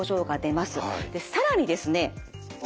更にですね